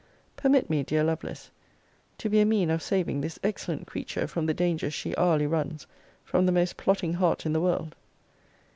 Permit me, dear Lovelace, to be a mean of saving this excellent creature from the dangers she hourly runs from the most plotting heart in the world.